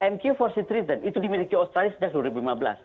mq empat seat return itu dimiliki australia sejak dua ribu lima belas